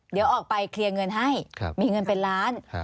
เดี๋ยวออกไปเคลียร์เงินให้มีเงินเป็นล้าน